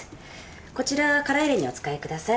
こちら殻入れにお使いください。